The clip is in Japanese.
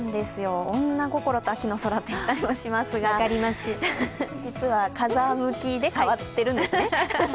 女心と秋の空と言ったりもしますが実は風向きで変わっているんですね。